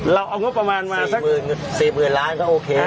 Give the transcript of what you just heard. เราเอางบประมาณมาสัก๔๐๐๐ล้านก็โอเค